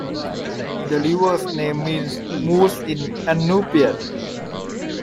The river's name means "Moose" in Inupiat.